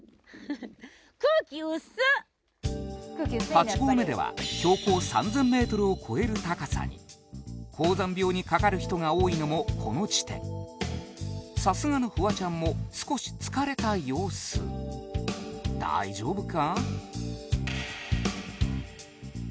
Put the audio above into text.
八合目では標高３０００メートルを超える高さに高山病にかかる人が多いのもこの地点さすがのフワちゃんも少し疲れた様子大丈夫か？